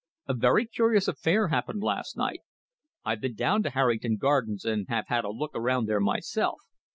"A very curious affair happened last night. I've been down to Harrington Gardens, and have had a look around there myself.